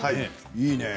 いいね。